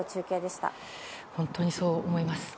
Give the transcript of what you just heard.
本当にそう思います。